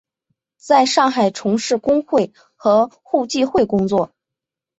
在上海从事工会和互济会工作。